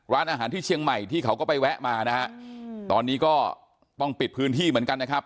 ร้านอาหารที่เชียงใหม่ที่เขาก็ไปแวะมานะฮะตอนนี้ก็ต้องปิดพื้นที่เหมือนกันนะครับ